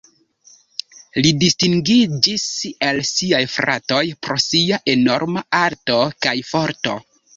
Li distingiĝis el siaj fratoj pro sia enorma alto kaj forto.